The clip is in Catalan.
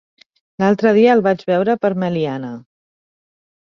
L'altre dia el vaig veure per Meliana.